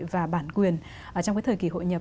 và bản quyền trong cái thời kỳ hội nhập